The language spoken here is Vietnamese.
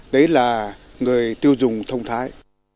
đấy là người tiêu dùng thông thái